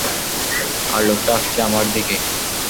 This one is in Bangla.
আর লোকটা আসছে আমার দিকে।